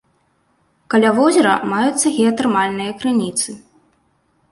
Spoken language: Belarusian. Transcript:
Каля возера маюцца геатэрмальныя крыніцы.